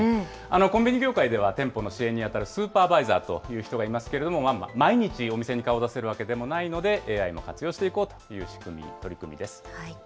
コンビニ業界では、店舗の支援に当たるスーパーバイザーという人がいますけれども、毎日お店に顔を出せるわけでもないので、ＡＩも活用していこうという仕組み、取り組みです。